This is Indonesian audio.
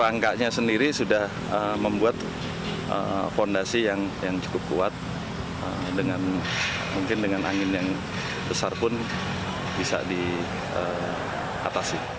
rangkanya sendiri sudah membuat fondasi yang cukup kuat mungkin dengan angin yang besar pun bisa diatasi